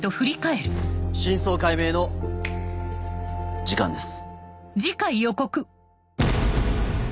真相解明の時間です。